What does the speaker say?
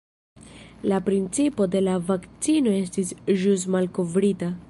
La principo de la vakcino estis ĵus malkovrita.